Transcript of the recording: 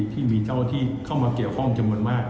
ที่มีเจ้าที่เข้ามาเกี่ยวข้องจำนวนมาก